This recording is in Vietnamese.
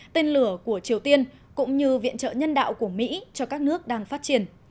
tên lửa của triều tiên cũng như viện trợ nhân đạo của mỹ cho các nước đang phát triển